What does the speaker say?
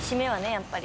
やっぱり。